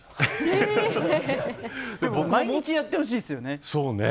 毎日やってほしいですよね。